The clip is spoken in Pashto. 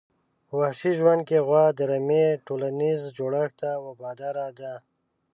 په وحشي ژوند کې غوا د رمي ټولنیز جوړښت ته وفاداره ده.